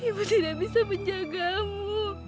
ibu tidak bisa menjagamu